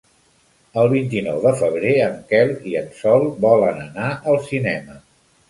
El vint-i-nou de febrer en Quel i en Sol volen anar al cinema.